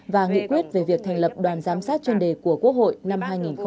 và nghị quyết về việc thành lập đoàn giám sát chuyên đề của quốc hội năm hai nghìn hai mươi